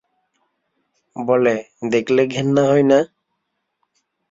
বলে, দেখলে ঘেন্না হয় না?